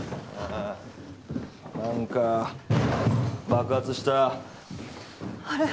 ああ何か爆発したあれ？